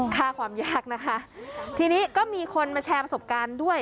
ค่าความยากนะคะทีนี้ก็มีคนมาแชร์ประสบการณ์ด้วย